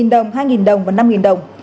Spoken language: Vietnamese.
một đồng hai đồng và năm đồng